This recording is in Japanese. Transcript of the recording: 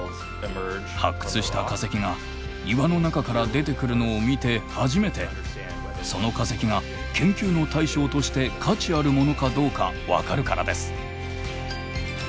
発掘した化石が岩の中から出てくるのを見て初めてその化石が研究の対象として価値あるものかどうか分かるからです。